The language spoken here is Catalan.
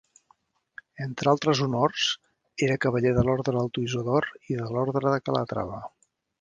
Entre altres honors era cavaller de l'Orde del Toisó d'Or i de l'Orde de Calatrava.